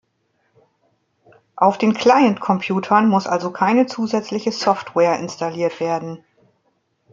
Auf den Client-Computern muss also keine zusätzliche Software installiert werden.